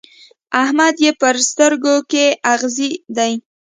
احمد يې په سترګو کې اغزی دی.